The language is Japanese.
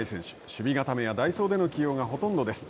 守備固めや代走での起用がほとんどです。